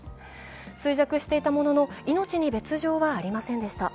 衰弱していたものの命に別状はありませんでした。